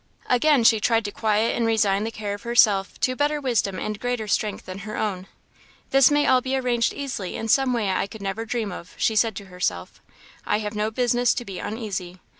Again she tried to quiet and resign the care of herself to better wisdom and greater strength than her own. "This may all be arranged easily in some way I could never dream of," she said to herself; "I have no business to be uneasy.